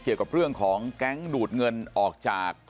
เกี่ยวกับเรื่องของแก๊งดูดเงินออกจาก